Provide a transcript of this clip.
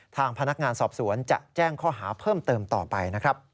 ทางพนักงานสอบสวนจะแจ้งข้อหาเพิ่มเติมต่อไปนะครับ